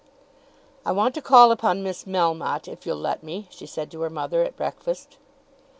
"I want to call upon Miss Melmotte, if you'll let me," she said to her mother at breakfast.